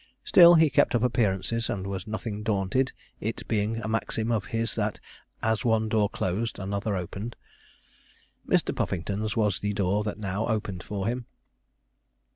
Still he kept up appearances, and was nothing daunted, it being a maxim of his that 'as one door closed another opened.' Mr. Puffington's was the door that now opened for him.